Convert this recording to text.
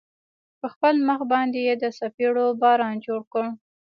په خپل مخ باندې يې د څپېړو باران جوړ کړ.